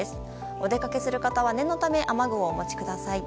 お出かけする方は念のため雨具をお持ちください。